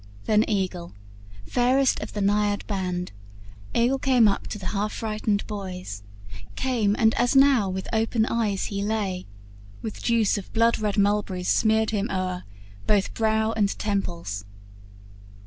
Then Aegle, fairest of the Naiad band, Aegle came up to the half frightened boys, Came, and, as now with open eyes he lay, With juice of blood red mulberries smeared him o'er, Both brow and temples.